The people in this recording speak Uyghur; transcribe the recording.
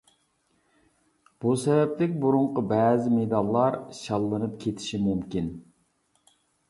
بۇ سەۋەبلىك بۇرۇنقى بەزى مېداللار شاللىنىپ كېتىشى مۇمكىن.